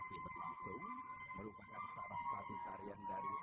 semoga berbahagia sebagai raja sanak